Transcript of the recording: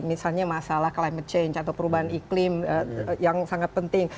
misalnya masalah climate change atau perubahan iklim yang sangat penting